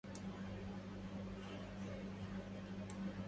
بأبي من أدار من عينيه